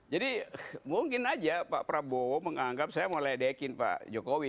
jadi mungkin saja pak prabowo menganggap saya mau ledekin pak jokowi